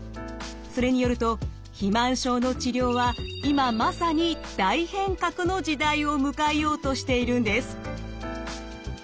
それによると肥満症の治療は今まさに大変革の時代を迎えようとしているんです。